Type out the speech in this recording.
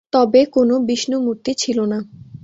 তবে কোনো বিষ্ণূমুর্তি ছিল না।